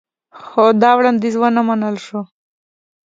خو دا وړاندیز ونه منل شو